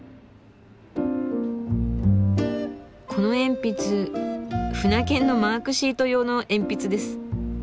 この鉛筆舟券のマークシート用の鉛筆です。